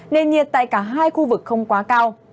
nền nhiệt tại cả hai khu vực không quá cao